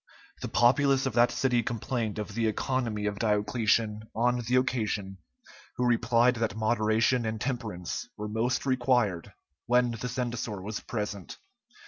The populace of that city complained of the economy of Diocletian on the occasion, who replied that moderation and temperance were most required when the censor was present.